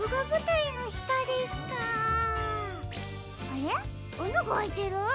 あながあいてる？